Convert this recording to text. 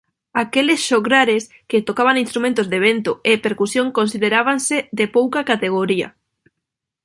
Aqueles xograres que tocaban instrumentos de vento e percusión considerábanse de pouca categoría.